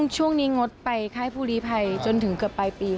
ช่วงนี้งดไปค่ายภูลีภัยจนถึงเกือบปลายปี